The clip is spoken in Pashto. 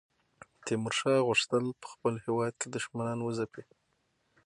تیمورشاه غوښتل په خپل هیواد کې دښمنان وځپي.